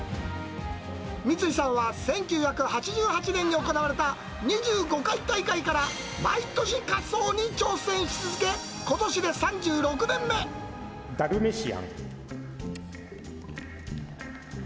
三井さんは１９８８年に行われた２５回大会から、毎年仮装に挑戦ダルメシアン。